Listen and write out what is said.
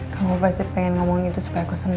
kamu pasti pengen ngomong gitu supaya aku seneng